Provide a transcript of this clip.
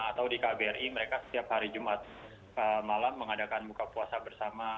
atau di kbri mereka setiap hari jumat malam mengadakan buka puasa bersama